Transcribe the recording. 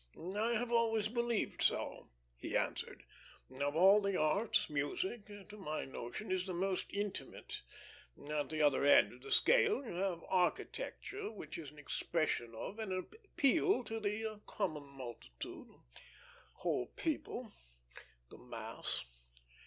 "I have always believed so," he answered. "Of all the arts, music, to my notion, is the most intimate. At the other end of the scale you have architecture, which is an expression of and an appeal to the common multitude, a whole people, the mass.